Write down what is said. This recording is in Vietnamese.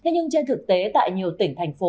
nhưng trên thực tế tại nhiều tỉnh thành phố